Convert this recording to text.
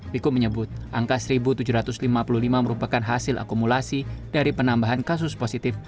wiku menyebut angka satu tujuh ratus lima puluh lima merupakan hasil akumulasi dari penambahan kasus positif